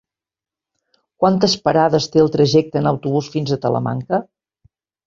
Quantes parades té el trajecte en autobús fins a Talamanca?